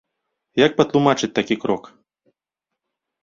Як патлумачыць такі крок?